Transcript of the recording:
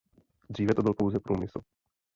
Dříve to byl pouze průmysl.